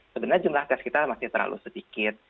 sebenarnya jumlah tes kita masih terlalu sedikit